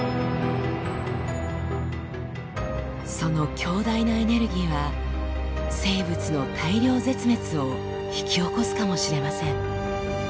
その強大なエネルギーは生物の大量絶滅を引き起こすかもしれません。